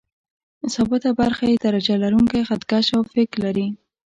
ثابته برخه یې درجه لرونکی خط کش او فک لري.